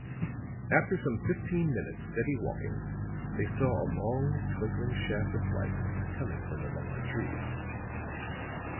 After some fifteen minutes' steady walking they saw a long twinkling shaft of light coming from among the trees.